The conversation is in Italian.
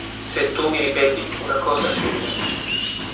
Se tu mi ripeti una cosa simile.